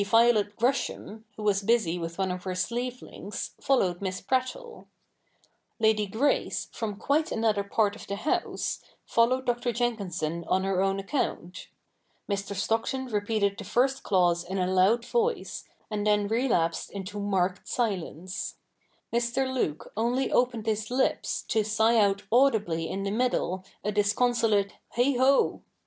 n Violet Gresham, who was busy with one of her sleeve links, followed Miss Prattle ; Lady Grace, from quite another part of the house, followed Dr. Jenkinson on her own account : Mr. Stockton repeated the first clause in a loud voice, and then relapsed into marked silence ; Mr. Luke only opened his lips to sigh out audibly in the middle a disconsolate ' Heigh ho